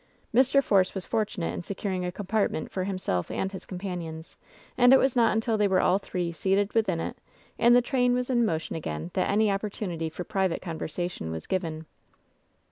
Mr. Force was fortunate in securing a compartment for himself and his companions; and it was not until they were all three seated within it and the train was in motion again that any opportunity for private con versation was given.